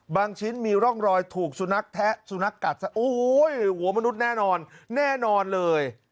ชิ้นมีร่องรอยถูกสุนัขแทะสุนัขกัดซะโอ้โหหัวมนุษย์แน่นอนแน่นอนเลย